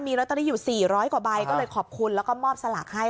ลอตเตอรี่อยู่๔๐๐กว่าใบก็เลยขอบคุณแล้วก็มอบสลากให้